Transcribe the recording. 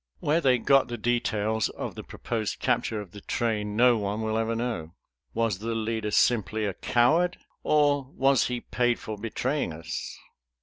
Where they got the details of the proposed capture of the train, no one will ever know. Was the leader simply a coward, or was he paid for betraying us?